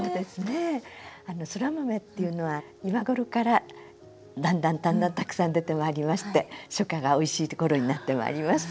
そら豆っていうのは今頃からだんだんだんだんたくさん出てまいりまして初夏がおいしい頃になってまいります。